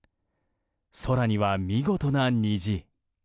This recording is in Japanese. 空には見事な虹。